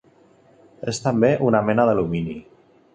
És també mena d'alumini.